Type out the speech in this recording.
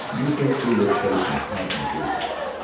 Usually they were placed in packing cases.